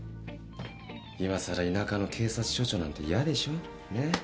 いまさら田舎の警察署長なんて嫌でしょ？ねえ？